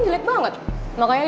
jadi gue ikutan juga